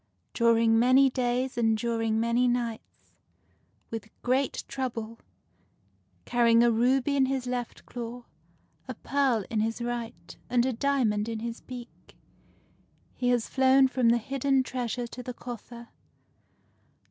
During many days and during many nights, with great trouble, — carrying a ruby in his left claw, a pearl in his right, and a diamond in his beak, — he has flown from the hid den treasure to the coffer.